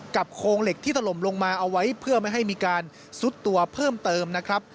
โครงเหล็กที่ถล่มลงมาเอาไว้เพื่อไม่ให้มีการซุดตัวเพิ่มเติมนะครับ